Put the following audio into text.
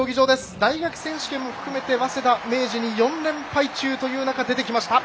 大学選手権も含めて、早稲田明治に４連敗中という中出てきました